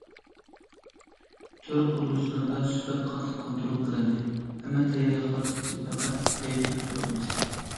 تۈر قۇرۇلۇشلىرىدا سۈپەت قاتتىق كونترول قىلىندى ھەممە تەييارلىقلار پۈتتى، پەقەت پەيتنى كۈتۈۋاتىمىز.